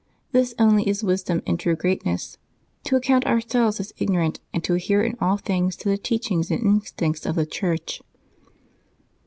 This only is wis dom and true greatness, to account ourselves as ignorant, and to adhere in all things to the teachings and instincts of the Church.